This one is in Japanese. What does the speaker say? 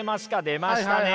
出ましたね。